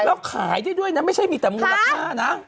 แล้วขายได้ด้วยนะไม่ใช่มีแต่มูลค่านะ